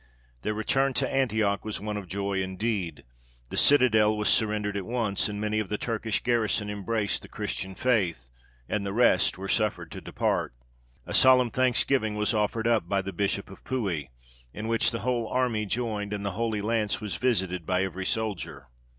Their return to Antioch was one of joy indeed: the citadel was surrendered at once, and many of the Turkish garrison embraced the Christian faith, and the rest were suffered to depart. A solemn thanksgiving was offered up by the Bishop of Puy, in which the whole army joined, and the Holy Lance was visited by every soldier.